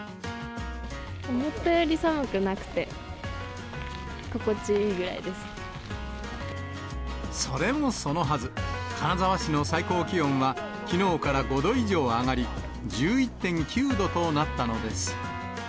思ったより寒くなくて、それもそのはず、金沢市の最高気温はきのうから５度以上上がり、１１．９度となったのです。